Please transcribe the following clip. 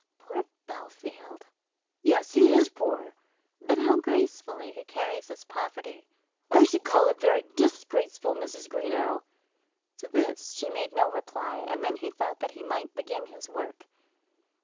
"Poor Bellfield!" "Yes; he is poor." "But how gracefully he carries his poverty." "I should call it very disgraceful, Mrs. Greenow." To this she made no reply, and then he thought that he might begin his work.